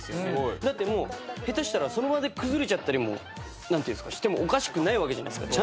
だってもう下手したらその場で崩れちゃったりしてもおかしくないわけじゃないですか。